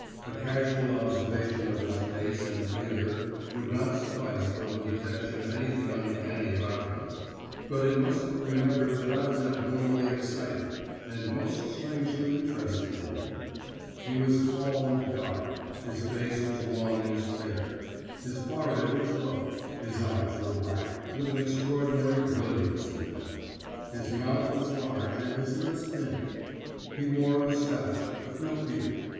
A casual observation of his face and figure would not suffice for the detection of anything uncanny about him, but it must be remembered that I was abnormally excited, and most strangely interested in him. He was tall and dark, his face was long and spare; his forehead was low; his eyes were black, with an extraordinary brilliancy in them; his mouth was large, and his lips thin. He wore a moustache, but no beard.